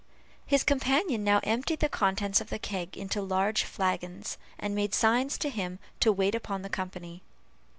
His companion now emptied the contents of the keg into large flagons, and made signs to him to wait upon the company.